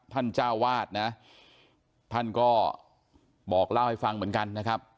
เจ้าวาดนะท่านก็บอกเล่าให้ฟังเหมือนกันนะครับ